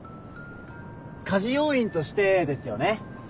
家事要員としてですよね。